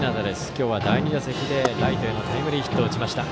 今日は第２打席でライトへのタイムリーヒットを打ちました。